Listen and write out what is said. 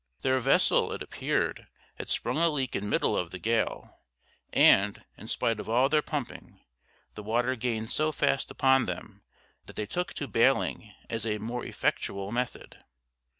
Their vessel, it appeared, had sprung a leak in middle of the gale, and, in spite of all their pumping, the water gained so fast upon them that they took to baling as a more effectual method.